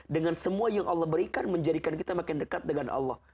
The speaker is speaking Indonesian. dengan semua yang allah berikan menjadikan kita makin dekat dengan allah